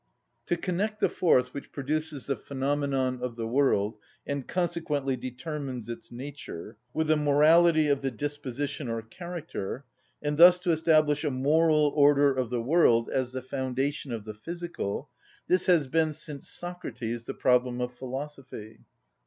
To connect the force which produces the phenomenon of the world, and consequently determines its nature, with the morality of the disposition or character, and thus to establish a moral order of the world as the foundation of the physical,—this has been since Socrates the problem of philosophy.